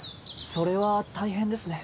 それは大変ですね。